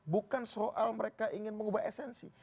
bukan soal mereka ingin mengubah esensi